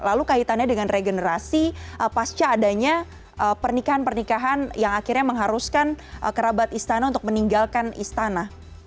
lalu kaitannya dengan regenerasi pasca adanya pernikahan pernikahan yang akhirnya mengharuskan kerabat istana untuk meninggalkan istana